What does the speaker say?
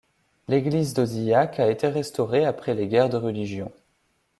L'église d'Ozillac a été restaurée après les guerres de religion.